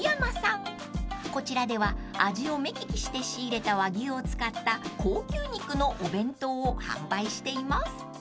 ［こちらでは味を目利きして仕入れた和牛を使った高級肉のお弁当を販売しています］